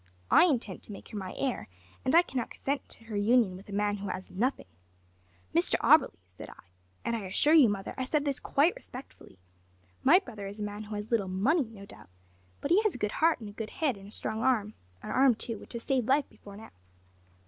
I intend to make her my heir, and I cannot consent to her union with a man who has nothing.' `Mr Auberly,' said I (and I assure you, mother, I said this quite respectfully), `my brother is a man who has little money, no doubt, but he has a good heart and a good head and a strong arm; an arm, too, which has saved life before now.'